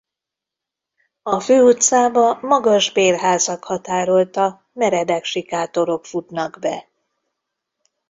A főutcába magas bérházak határolta meredek sikátorok futnak be.